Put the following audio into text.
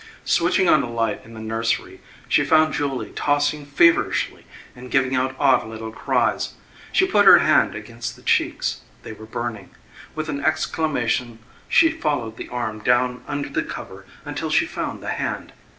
Switching on the light in the nursery, she found Julie tossing feverishly and giving out odd little cries. She put her hand against the cheeks. They were burning. With an exclamation she followed the arm down under the cover until she found the hand.